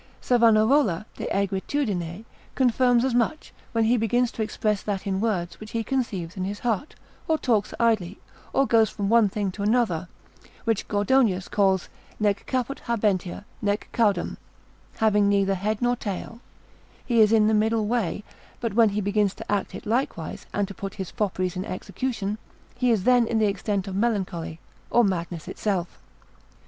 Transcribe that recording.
Savanarola, Rub. 11. tract. 8. cap. 1. de aegritudine, confirms as much, when he begins to express that in words, which he conceives in his heart, or talks idly, or goes from one thing to another, which Gordonius calls nec caput habentia, nec caudam, (having neither head nor tail,) he is in the middle way: but when he begins to act it likewise, and to put his fopperies in execution, he is then in the extent of melancholy, or madness itself.